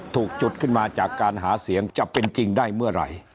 ถูกจุดขึ้นมาจากการหาเสียงจะเป็นจริงได้เมื่อไหร่